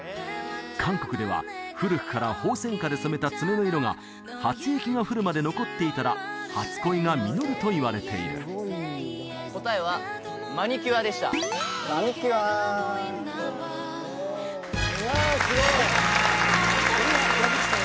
韓国では古くからホウセンカで染めた爪の色が初雪が降るまで残っていたら初恋が実るといわれている答えは「マニキュア」でしたマニキュアわあすごいやった矢吹さん